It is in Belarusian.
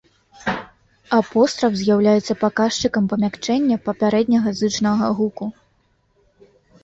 Апостраф з'яўляецца паказчыкам памякчэння папярэдняга зычнага гуку.